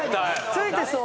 ついてそう。